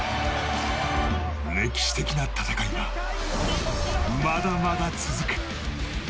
歴史的な戦いがまだまだ続く！